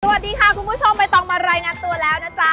สวัสดีค่ะคุณผู้ชมไม่ต้องมารายงานตัวแล้วนะจ๊ะ